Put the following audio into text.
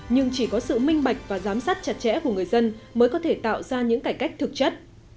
nhưng chỉ có sự minh bạch và giám sát chặt chẽ của người dân mới có thể tạo ra những cải cách thực chất